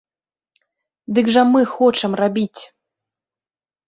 Дык жа мы хочам рабіць!